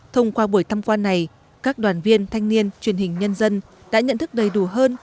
thông qua buổi thăm quan này các đoàn viên thanh niên truyền hình nhân dân đã nhận thức đầy đủ hơn